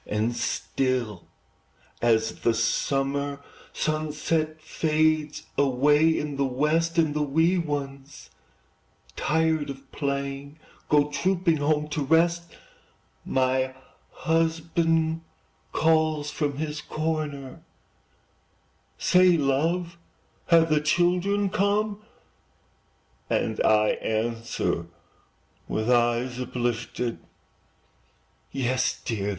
And still, as the summer sunset Fades away in the west, And the wee ones, tired of playing, Go trooping home to rest, My husband calls from his corner, "Say, love, have the children come?" And I answer, with eyes uplifted, "Yes, dear!